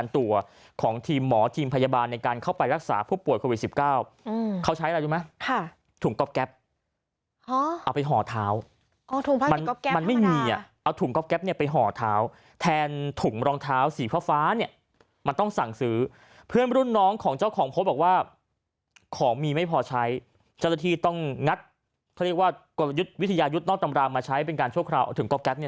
ตัวของทีมหมอทีมพยาบาลในการเข้าไปรักษาผู้ป่วยโควิดสิบเก้าอืมเขาใช้อะไรดูมั้ยค่ะถุงก๊อบแก๊ปเอาไปห่อเท้าอ๋อถุงพักกิจก๊อบแก๊ปมันไม่มีอ่ะเอาถุงก๊อบแก๊ปเนี้ยไปห่อเท้าแทนถุงรองเท้าสีฟ้าฟ้าเนี้ยมันต้องสั่งซื้อเพื่อนรุ่นน้องของเจ้าของพบบอกว่าของมีไม่พอใช้เจ้าหน